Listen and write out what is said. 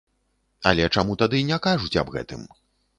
Але чаму тады не кажуць аб гэтым?